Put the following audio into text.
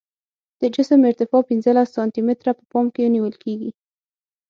د جسم ارتفاع پنځلس سانتي متره په پام کې نیول کیږي